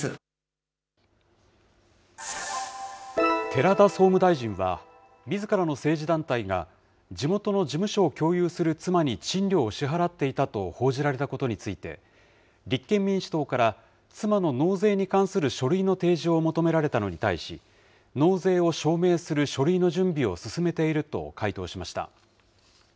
寺田総務大臣は、みずからの政治団体が、地元の事務所を共有する妻に賃料を支払っていたと報じられたことについて、立憲民主党から、妻の納税に関する書類の提示を求められたのに対し、納税を証明する書類の準備を進めていると回答しました。